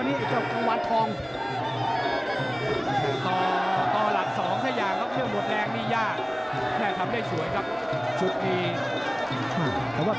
นี่ครับทุกคนสาวแข่งซ้ายเตะ